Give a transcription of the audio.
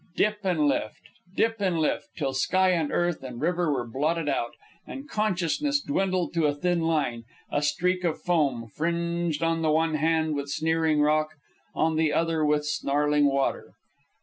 Dip and lift, dip and lift, till sky and earth and river were blotted out, and consciousness dwindled to a thin line, a streak of foam, fringed on the one hand with sneering rock, on the other with snarling water.